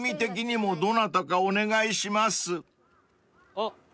あっ。